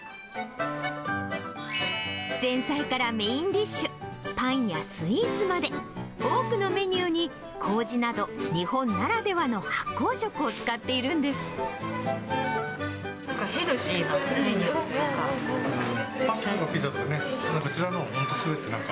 前菜からメインディッシュ、パンやスイーツまで、多くのメニューにこうじなど日本ならではの発酵食を使っているんなんかヘルシーなメニューというか。